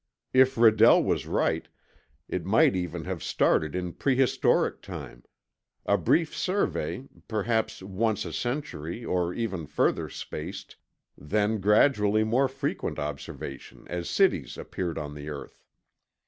If Redell was right, it might even have started in prehistoric time; a brief survey, perhaps once a century or even further spaced, then gradually more frequent observation as cities appeared on the earth.